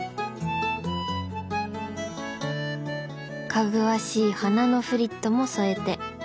かぐわしい花のフリットも添えて。